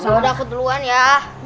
udah aku duluan ya